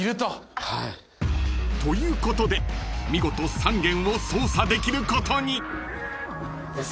［ということで見事３軒を捜査できることに］